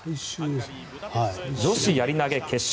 女子やり投げ決勝。